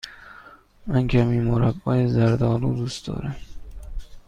من کمی مربای زرد آلو دوست دارم.